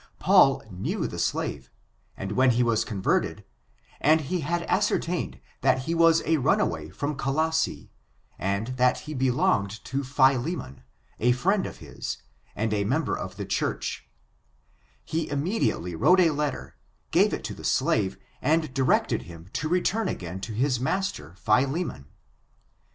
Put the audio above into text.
Paul knew the slave, and when he was converted, and he had ascertained that he was a runaway from Coloa se, and that he belonged to Phileman, a friend of his, and a member of the churchy he immediately wrote a letter, gave it to the slave, and directed him to return again to his master, Philemon.